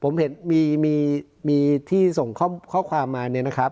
มีที่ส่งข้อความมานี้นะครับ